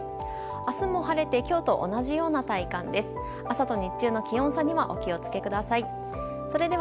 明日も晴れて今日と同じような体感です。